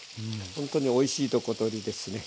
ほんとにおいしいとこ取りですね。